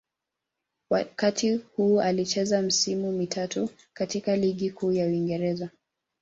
Wakati huu alicheza misimu mitatu katika Ligi Kuu ya Uingereza.